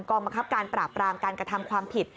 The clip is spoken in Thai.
บังคับการปราบรามการกระทำความผิด